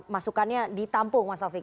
masukannya di tampung mas taufik